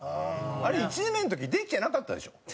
あれ１年目の時できてなかったでしょ？